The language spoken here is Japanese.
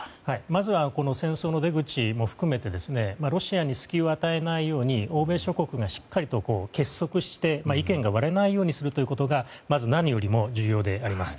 まずはこの戦闘の出口も含めてロシアに隙を与えないように欧米諸国がしっかり結束して意見が割れないようにすることが何よりも重要です。